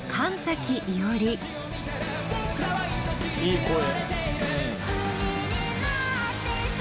いい声！